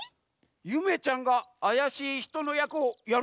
ゆめちゃんがあやしいひとのやくをやるざんすか？